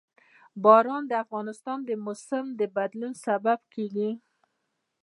باران د افغانستان د موسم د بدلون سبب کېږي.